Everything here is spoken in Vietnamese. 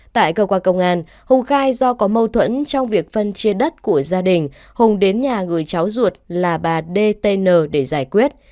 tại cơ quan công an hùng cai do có mâu thuẫn trong việc phân chia đất của gia đình hùng đến nhà gửi cháu ruột là bà d t n để giải quyết